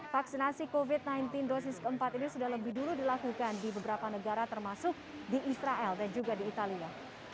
vaksinasi covid sembilan belas dosis keempat ini sudah lebih dulu dilakukan di beberapa negara termasuk di israel dan juga di italia